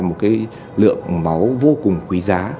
một cái lượng máu vô cùng quý giá